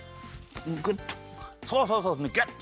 グッとそうそうそうグッと。